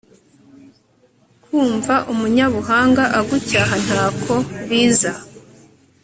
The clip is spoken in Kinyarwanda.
kumva umunyabuhanga agucyaha ntako biza